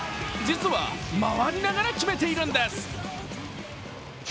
実は回りながら決めているんです。